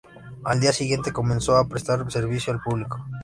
Al día siguiente comenzó a prestar servicio al público.